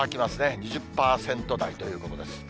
２０％台ということです。